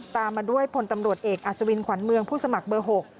ตามมาด้วยพลตำรวจเอกอัศวินขวัญเมืองผู้สมัครเบอร์๖